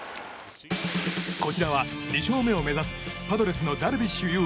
こちらは２勝目を目指すパドレスのダルビッシュ有。